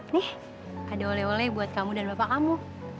nih ada oleh oleh buat kamu dan bapak kamu